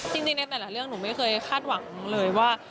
จริงในแต่ละเรื่องหนูไม่เคยคาดหวังเลยว่า